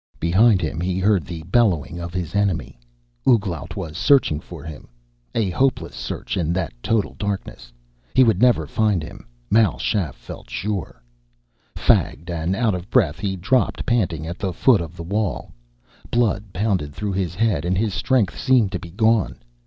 Behind him he heard the bellowing of his enemy. Ouglat was searching for him, a hopeless search in that total darkness. He would never find him. Mal Shaff felt sure. Fagged and out of breath, he dropped panting at the foot of the wall. Blood pounded through his head and his strength seemed to be gone.